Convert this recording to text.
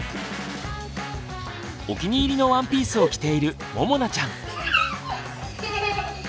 お気に入りのワンピースを着ているももなちゃん。